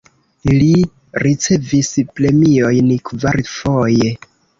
Li ricevis premiojn kvarfoje.